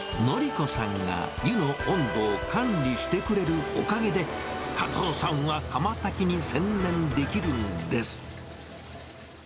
のり子さんが湯の温度を管理してくれるおかげで、和男さんは釜たきに専念できるんです。